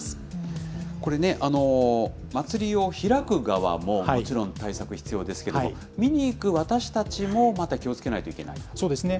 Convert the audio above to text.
これね、祭りを開く側も、もちろん対策必要ですけれども、見に行く私たちも、また気をつけなそうですね。